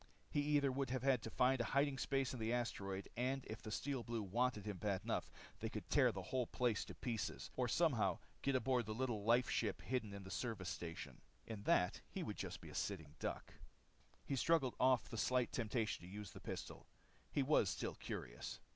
He either would have to find a hiding place on the asteroid, and if the Steel Blues wanted him bad enough they could tear the whole place to pieces, or somehow get aboard the little life ship hidden in the service station. In that he would be just a sitting duck. He shrugged off the slight temptation to use the pistol. He was still curious.